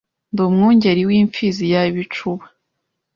Ndi umwungeri w’imfizi ya Bicuba